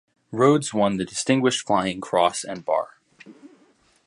Rhodes won the Distinguished Flying Cross and Bar.